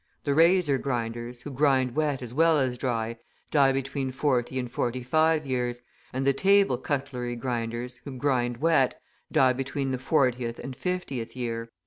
The razor grinders, who grind wet as well as dry, die between forty and forty five years, and the table cutlery grinders, who grind wet, die between the fortieth and fiftieth year."